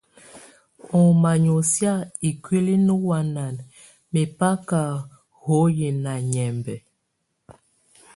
Ɔ manyo síak ikúli nohuanan mɛ báka hoyi na nyɛmbɛ.